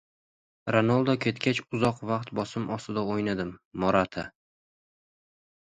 Ronaldu ketgach uzoq vaqt bosim ostida o‘ynadim – Morata